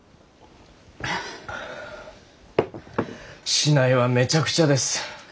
市内はめちゃくちゃです。